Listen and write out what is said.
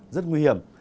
rất nguy hiểm